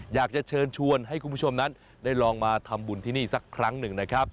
อยากจะเชิญชวนให้คุณผู้ชมนั้นได้ลองมาทำบุญที่นี่สักครั้งหนึ่งนะครับ